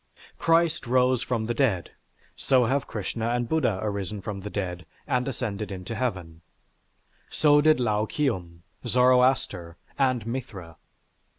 Christ rose from the dead, so have Krishna and Buddha arisen from the dead and ascended into Heaven. So did Lao Kium, Zoroaster, and Mithra.